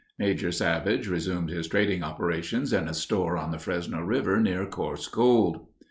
Major Savage resumed his trading operations in a store on the Fresno River near Coarse Gold.